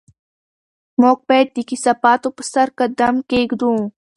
موږ باید د کثافاتو په سر قدم کېږدو.